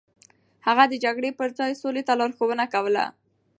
هغه د جګړې پر ځای سولې ته لارښوونه کوله.